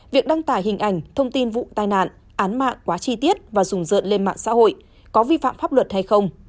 việc đăng tải hình ảnh thông tin vụ tai nạn án mạng quá chi tiết và rùng rợn lên mạng xã hội có vi phạm pháp luật hay không